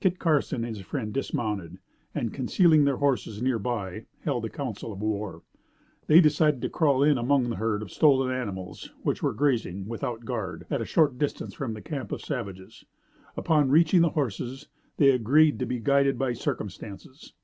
Kit Carson and his friend dismounted, and, concealing their horses near by, held a council of war. They decided to crawl in among the herd of stolen animals which were grazing, without guard, at a short distance from the camp of the savages. Upon reaching the horses, they agreed to be guided by circumstances.